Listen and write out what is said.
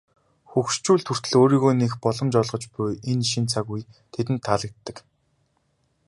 Хөгшчүүлд хүртэл өөрийгөө нээх боломж олгож буй энэ шинэ цаг үе тэдэнд таалагддаг.